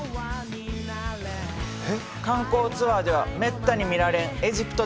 観光ツアーではめったに見られんエジプトだらけや。